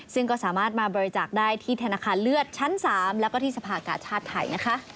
ซึ่งก็สามารถมาบริจาคได้ที่ธนาคารเลือดชั้น๓แล้วก็ที่สภากาชาติไทยนะคะ